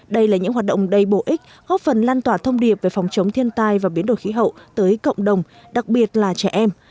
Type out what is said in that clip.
đây là những hoạt động đầy bổ ích góp phần lan tỏa thông điệp về phòng chống thiên tai và biến đổi khí hậu tới cộng đồng đặc biệt là trẻ em